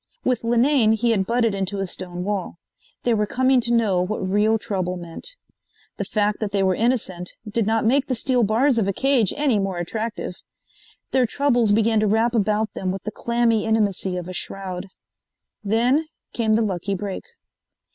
With Linane he had butted into a stone wall. They were coming to know what real trouble meant. The fact that they were innocent did not make the steel bars of a cage any more attractive. Their troubles began to wrap about them with the clammy intimacy of a shroud. Then came the lucky break.